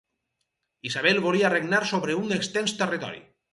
Isabel volia regnar sobre un extens territori.